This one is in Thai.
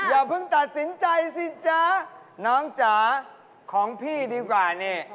อย่าเพิ่งตัดสินใจสิจ๊ะน้องจ๋าของพี่ดีกว่านี่